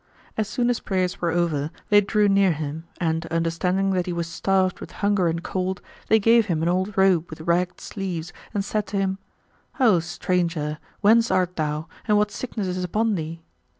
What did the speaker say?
As soon as prayers were over, they drew near him; and, understanding that he was starved with hunger and cold, they gave him an old robe with ragged sleeves and said to him, "O stranger, whence art thou and what sickness is upon thee?"